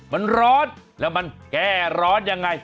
มันร้อนแล้วมันแก้ร้อนยังไง